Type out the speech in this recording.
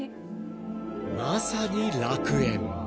［まさに楽園］